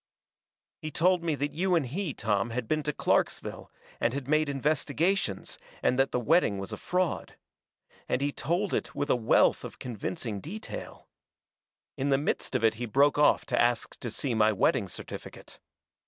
"He told me that you and he, Tom, had been to Clarksville, and had made investigations, and that the wedding was a fraud. And he told it with a wealth of convincing detail. In the midst of it he broke off to ask to see my wedding certificate.